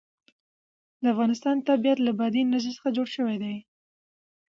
د افغانستان طبیعت له بادي انرژي څخه جوړ شوی دی.